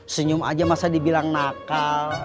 senyum aja masa dibilang nakal